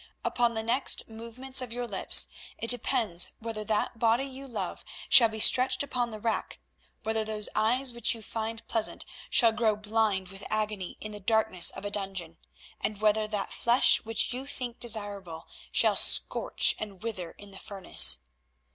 Upon the next movements of your lips it depends whether that body you love shall be stretched upon the rack, whether those eyes which you find pleasant shall grow blind with agony in the darkness of a dungeon, and whether that flesh which you think desirable shall scorch and wither in the furnace.